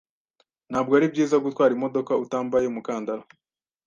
Ntabwo ari byiza gutwara imodoka utambaye umukandara.